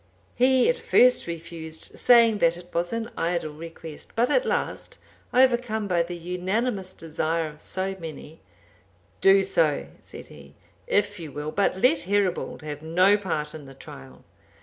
He at first refused, saying that it was an idle request; but at last, overcome by the unanimous desire of so many, 'Do so,' said he, 'if you will, but let Herebald have no part in the trial.